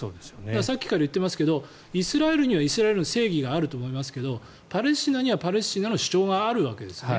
さっきから言っていますがイスラエルにはイスラエルの正義があると思いますがパレスチナにはパレスチナの主張があるわけです。